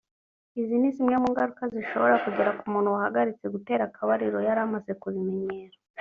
Izi ni zimwe mu ngaruka zishobora kugera ku muntu wahagaritse gutera akabariro yari amaze kubimenyera